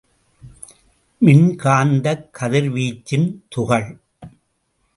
மின்காந்தக் கதிர்வீச்சின் துகள்.